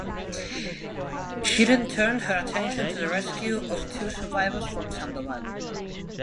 She then turned her attention to the rescue of two survivors from "Sandoval".